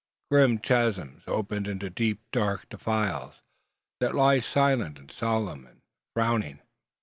Grim chasms open into deep, dark defiles, that lie silent, and solemn, and frowning.